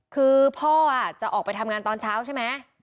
คือพ่อจะออกไปทำงานตอนเช้าใช่ไหม